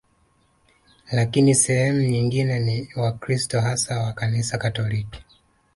Lakini sehemu nyingine ni Wakristo hasa wa Kanisa Katoliki